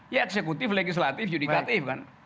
ya eksekutif legislatif yudikatif kan